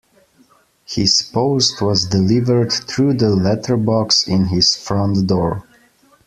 His post was delivered through the letterbox in his front door